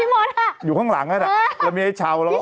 เป็นการกระตุ้นการไหลเวียนของเลือด